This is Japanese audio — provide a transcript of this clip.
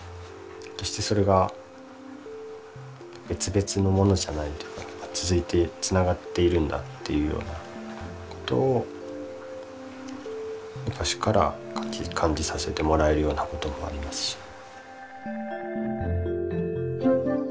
決してそれが別々のものじゃないというか続いてつながっているんだっていうようなことをウパシから感じさせてもらえるようなこともありますし。